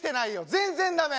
全然駄目。